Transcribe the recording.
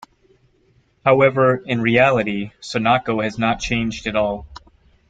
However, in reality Sunako has not changed at all.